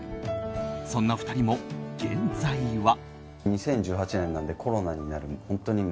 そんな２人も現在は。